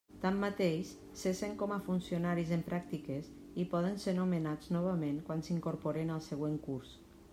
Tanmateix, cessen com a funcionaris en pràctiques i poden ser nomenats novament quan s'incorporen al següent curs.